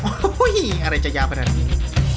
โอ้โหอะไรจะยาวขนาดนี้